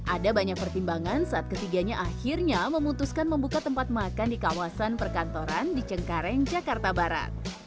ada banyak pertimbangan saat ketiganya akhirnya memutuskan membuka tempat makan di kawasan perkantoran di cengkareng jakarta barat